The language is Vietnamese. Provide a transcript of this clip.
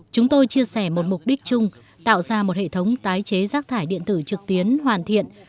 chúng tôi chia sẻ một mục đích chung tạo ra một hệ thống tái chế rác thải điện tử trực tuyến hoàn thiện